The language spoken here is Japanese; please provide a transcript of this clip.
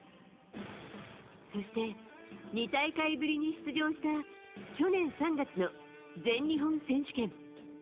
そして、２大会ぶりに出場した去年３月の全日本選手権。